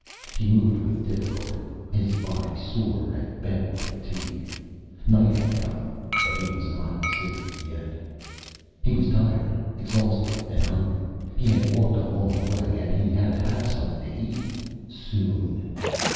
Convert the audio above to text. He moved with difficulty, his body sore and bent with fatigue. Night had come, but he was not safe yet. He was tired, exhausted and hungry. He had walked a long way. And he had to have something to eat soon.